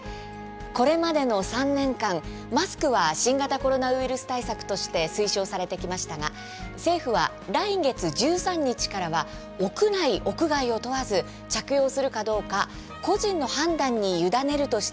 これまでの３年間、マスクは新型コロナウイルス対策として推奨されてきましたが政府は来月１３日からは屋内、屋外を問わず着用するかどうか個人の判断に委ねるとしています。